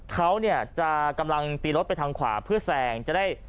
เขาจะกำลังตีรถไปทางขวาเพื่อแสง